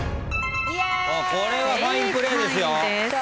これはファインプレー。